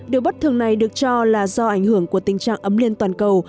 điều bất thường này được cho là do ảnh hưởng của tình trạng ấm lên toàn cầu